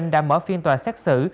đã mở phiên tòa xét xử